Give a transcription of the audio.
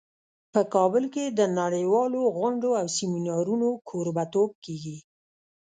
په کابل کې د نړیوالو غونډو او سیمینارونو کوربه توب کیږي